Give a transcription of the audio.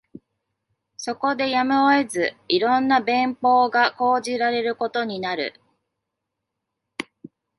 そこでやむを得ず、色んな便法が講じられることになる